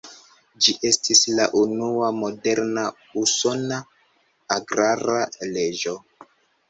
Ĝi estis la unua moderna usona agrara leĝo.